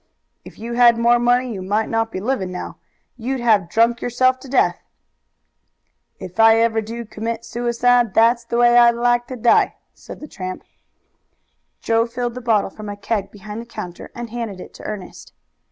"If you had more money, you might not be living now. You'd have drunk yourself to death." "If I ever do commit suicide, that's the way I'd like to die," said the tramp. Joe filled the bottle from a keg behind the counter and handed it to Ernest.